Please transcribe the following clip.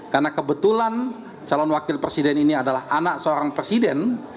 karena kebetulan calon wakil presiden ini adalah anak seorang presiden